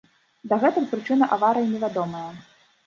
Дагэтуль прычына аварыі невядомая.